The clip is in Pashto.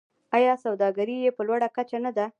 آیا سوداګري یې په لوړه کچه نه ده؟